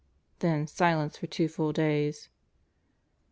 Then silence for two full days."